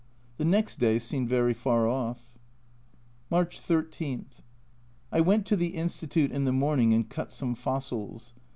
The next day seemed very far off. March 13. I went to the Institute in the morning and cut some fossils.